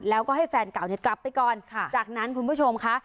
แล้วก็ให้แฟนเก่าเนี่ยกลับไปก่อนจากนั้นคุณผู้ชมค่ะ